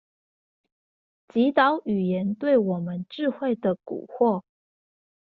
擊倒語言對我們智慧的蠱惑